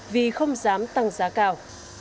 vì không dám tăng giá cao